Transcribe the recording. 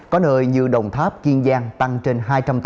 có nơi như đồng tháp kiên giang tăng trên hai trăm tám mươi